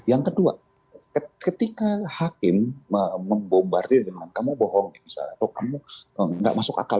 yang kedua ketika hakim membombardir dengan kamu bohong misalnya atau kamu tidak masuk akal